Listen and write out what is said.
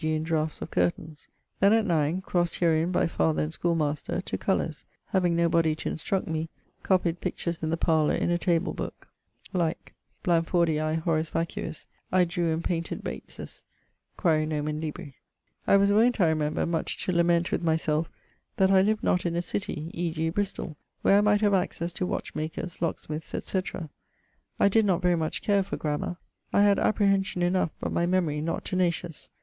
g. in draughts of curtaines. Then at 9 (crossed herein by father and schoolmaster), to colours, having no body to instruct me; copied pictures in the parlour in a table booke like[U]. Blandfordiae, horis vacuis, I drew and painted Bates's ... (quaere nomen libri[V]). I was wont (I remember) much to lament with my selfe that I lived not in a city, e.g. Bristoll, where I might have accesse to watchmakers, locksmiths, etc. not very much care for grammar. apprehension enough, but my memorie not tenacious.